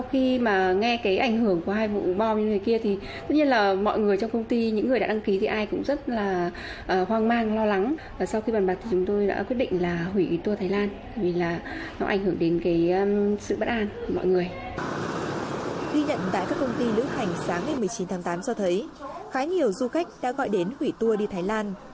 khi nhận tại các công ty lữ hành sáng ngày một mươi chín tháng tám cho thấy khá nhiều du khách đã gọi đến hủy tour đi thái lan